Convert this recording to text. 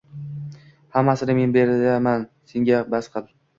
Hammasini men beraman senga bas qil.